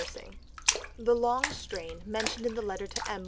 The long strain, mentioned in the letter to M.